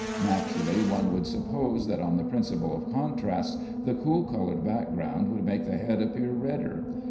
Naturally one would suppose that on the principle of contrasts the cool colored background would make the head appear redder.